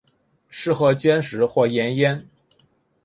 适合煎食或盐腌。